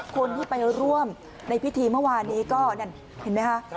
คนที่ไปร่วมในพิธีเมื่อวานนี้ก็นั่นเห็นไหมคะ